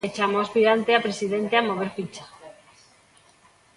E chama o aspirante a presidente a mover ficha.